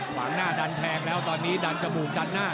ขวางหน้าดันแทงแล้วตอนนี้ดันจมูกดันหน้า